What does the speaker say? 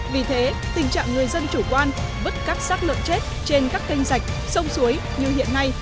vì thế tình trạng người dân chủ quan vứt các sát lợn chết trên các kênh sạch sông suối như hiện nay